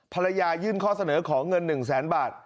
ภรรยายื่นข้อเสนอขอเงินหนึ่งแสนบาท